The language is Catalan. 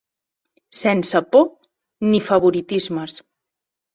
Sense por ni favoritismes.